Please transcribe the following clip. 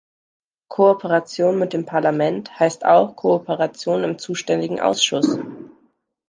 Kooperation mit dem Parlament heißt auch Kooperation im zuständigen Ausschuss.